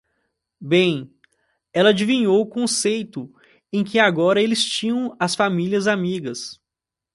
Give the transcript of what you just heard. Bem, ela adivinhou o conceito em que agora eles tinham as famílias amigas.